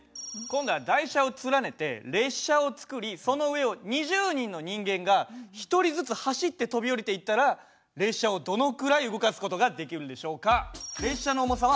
今度は台車を連ねて列車を作りその上を２０人の人間が１人ずつ走って跳び降りていったら列車をどのくらい動かす事ができるでしょうか？